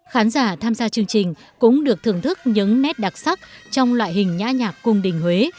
khán giả tham gia chương trình cũng được thưởng thức những nét đặc sắc trong loại hình nhã nhạc cung đình huế